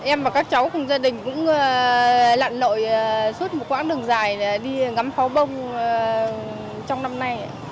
em và các cháu cùng gia đình cũng lặn lội suốt một quãng đường dài để đi ngắm pháo bông trong năm nay